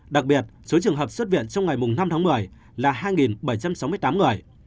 đặc biệt số trường hợp xuất viện trong ngày năm tháng một mươi là hai bảy trăm sáu mươi tám người